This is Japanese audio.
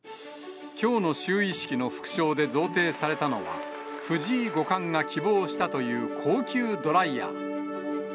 きょうの就位式の副賞で贈呈されたのは、藤井五冠が希望したという高級ドライヤー。